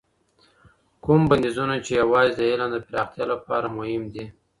کوم بندیزونه چي یوازې د علم د پراختیا لپاره مهم دي.